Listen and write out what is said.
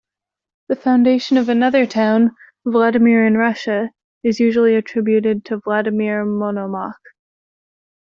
The foundation of another town, Vladimir in Russia, is usually attributed to Vladimir Monomakh.